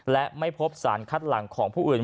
และไม่พบสารคัดหลังของผู้อื่น